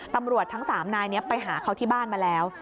ตำรวจทั้ง๓นายนี้ไปหาเขาที่บ้านมาแล้ว